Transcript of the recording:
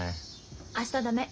明日駄目。